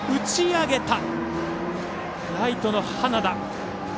ライトの花田。